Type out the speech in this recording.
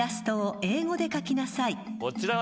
こちらは。